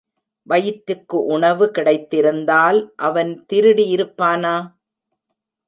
வயிற்றுக்கு உணவு கிடைத்திருந்தால் அவன் திருடி இருப்பானா?